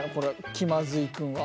気まずいくんは。